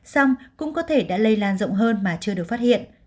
xong cũng có thể đã lây lan rộng hơn mà chưa được phát hiện